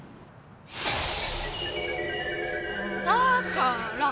だから！